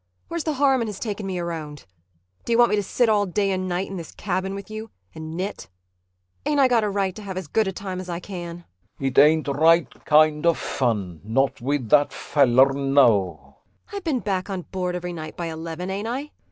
Where's the harm in his taking me around? D'you want me to sit all day and night in this cabin with you and knit? Ain't I got a right to have as good a time as I can? CHRIS It ain't right kind of fun not with that fallar, no. ANNA I been back on board every night by eleven, ain't I?